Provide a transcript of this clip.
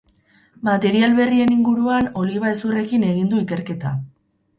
Material berrien inguruan oliba hezurrekin egin du ikerketa.